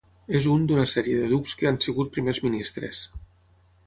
És un d'una sèrie de ducs que han sigut Primers ministres.